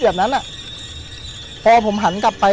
ผมก็ไม่เคยเห็นว่าคุณจะมาทำอะไรให้คุณหรือเปล่า